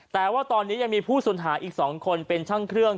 แต่ว่าตอนนี้ยังมีผู้สูญหายอีก๒คนเป็นช่างเครื่อง